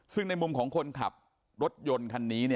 ซึ่งในมุมของคนขับรถยนต์คันนี้